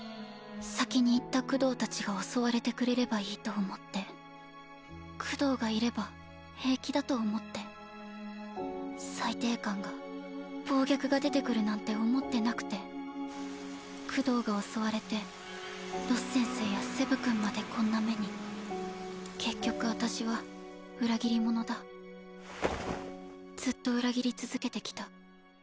先に行ったクドー達が襲われてくれればいいと思ってクドーがいれば平気だと思って裁定官が暴虐が出てくるなんて思ってなくてクドーが襲われてロス先生やセブ君までこんな目に結局私は裏切り者だずっと裏切り続けてきた